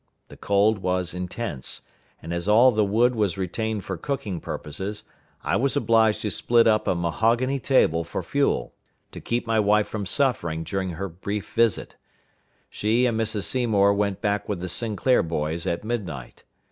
The cold was intense, and as all the wood was retained for cooking purposes, I was obliged to split up a mahogany table for fuel, to keep my wife from suffering during her brief visit. She and Mrs. Seymour went back with the Sinclair boys at midnight.